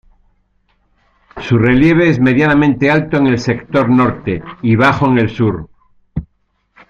Su relieve es medianamente alto en el sector norte y bajo en el sur.